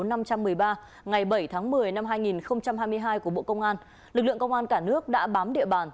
ngày bảy tháng một mươi năm hai nghìn hai mươi hai của bộ công an lực lượng công an cả nước đã bám địa bàn